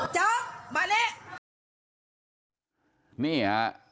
เจล์มาเนี่ย